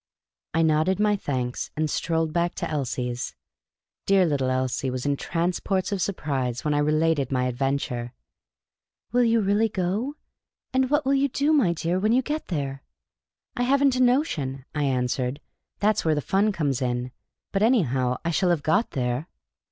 I nodded my thanks, and strolled back to Elsie's. Dear little Elsie was in transports of surpirse when I related my adv^enture. " Will you really go? And what will you do, my dear, when you get there ?"" I have n't a notion," I answered ;" that 's where the fun comes in. But, anyhow, I .shall have got there."